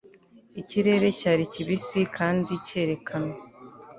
Ikirere cyari kibisi kandi cyerekanwe